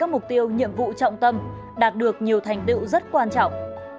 các mục tiêu nhiệm vụ trọng tâm đạt được nhiều thành tựu rất quan trọng